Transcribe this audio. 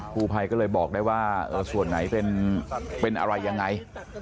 ผู้ภัยก็เลยบอกได้ว่าส่วนไหนเป็นอะไรยังไง